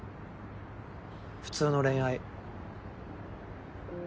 普通の恋愛。